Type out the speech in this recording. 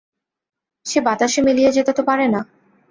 সে বাতাসে মিলিয়ে যেতে তো পারেনা।